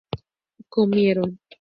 comieron